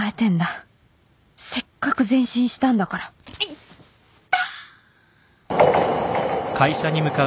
せっかく前進したんだからいった！